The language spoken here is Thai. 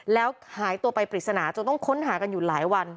แล้วหายตัวไปปริศนาจนต้องค้นหากันอยู่หลายวัน